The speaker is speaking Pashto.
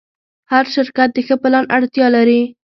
هر شرکت د ښه پلان اړتیا لري.